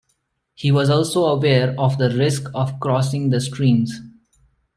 He was also aware of the risk of crossing the streams.